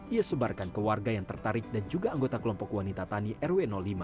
ia sebarkan ke warga yang tertarik dan juga anggota kelompok wanita tani rw lima